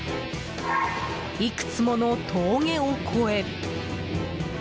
いくつもの峠を越え。